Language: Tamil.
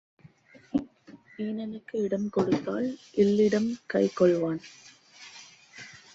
ஈனனுக்கு இடம் கொடுத்தால் இல்லிடம் கைக் கொள்வான்.